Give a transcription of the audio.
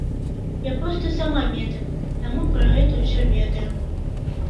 Я проста сама медык, таму пра гэта ўсё ведаю.